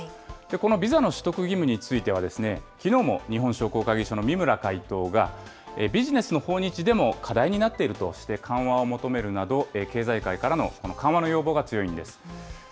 このビザの取得義務については、きのうも日本商工会議所の三村会頭がビジネスの訪日でも課題になっているとして緩和を求めるなど、経済界からの緩和の要望が強いんです。